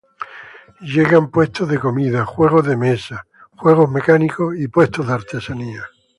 Llegan puestos de comida, juegos de mesa, juegos mecánicos y puestos de artesanías.